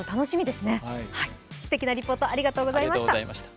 すてきなリポート、ありがとうございました。